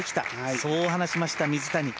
そう話しました、水谷。